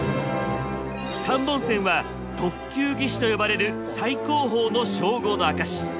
３本線は特級技師と呼ばれる最高峰の称号の証し。